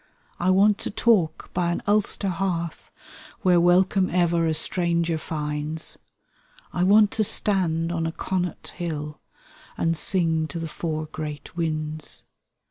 I want to talk by an Ulster hearth. Where welcome ever a stranger finds, I want to stand on a Connaught hill, And sing to the four great winds.